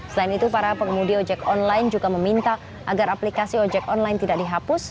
selain itu para pengemudi ojek online juga meminta agar aplikasi ojek online tidak dihapus